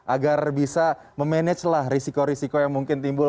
agar bisa memanagelah risiko risiko yang mungkin timbul